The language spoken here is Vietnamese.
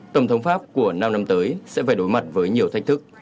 tổng thống pháp của năm năm tới sẽ phải đối mặt với nhiều thách thức